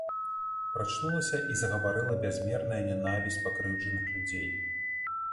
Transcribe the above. Прачнулася і загаварыла бязмерная нянавісць пакрыўджаных людзей.